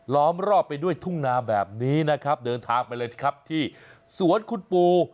ล้อมรอบไปด้วยทุ่งนาแบบนี้นะครับเดินทางไปเลยนะครับที่สวนคุณปู